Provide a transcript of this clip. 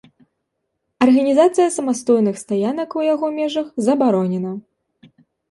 Арганізацыя самастойных стаянак у яго межах забаронена.